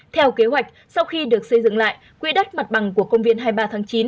theo kế hoạch sau khi được xây dựng lại quỹ đất mặt bằng của công viên hai mươi ba tháng chín